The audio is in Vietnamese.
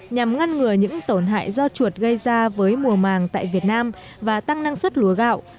nhằm ngăn ngừa những tổn hại do chuột gây ra với mùa màng tại việt nam và tăng năng suất lúa gạo